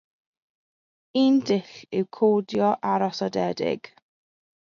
Un dull yw codio arosodedig.